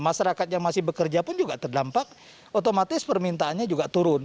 masyarakat yang masih bekerja pun juga terdampak otomatis permintaannya juga turun